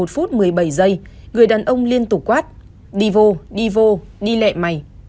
một phút một mươi bảy giây người đàn ông liên tục quát đi vô đi vô đi lẹ mày